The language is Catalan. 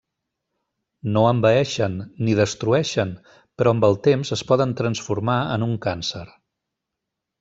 No envaeixen, ni destrueixen, però amb el temps es poden transformar en un càncer.